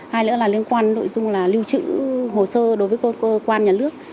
hai nữa là liên quan nội dung là lưu trữ hồ sơ đối với cơ quan nhà nước